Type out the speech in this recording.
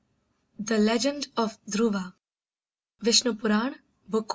THE LEGEND OF DHRUVA. _Vishnu Purana. Book I.